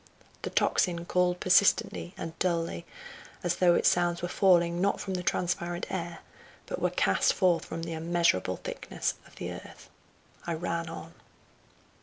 The tocsin called persistently and dully, as though its sounds were falling, not from the transparent air, but were cast forth from the immeasurable thickness of the earth. I ran on.